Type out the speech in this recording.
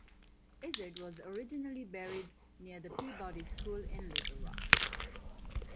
Izard was originally buried near the Peabody School in Little Rock.